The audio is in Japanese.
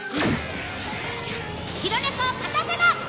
白猫を勝たせろ！